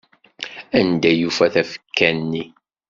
Anda i yufan tafekka-nni?